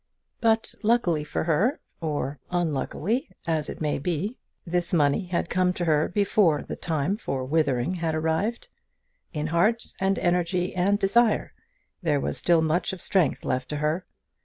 But luckily for her or unluckily, as it may be this money had come to her before her time for withering had arrived. In heart, and energy, and desire, there was still much of strength left to her.